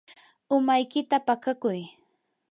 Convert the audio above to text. umaykita paqakuy.